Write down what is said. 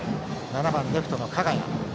７番レフト、加賀谷。